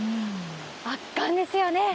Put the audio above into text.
圧巻ですよね。